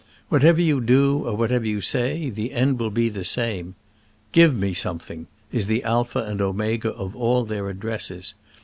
What ever you do or whatever you say, the end will be the same. " Give me some thing'* is the alpha and omega of all their addresses.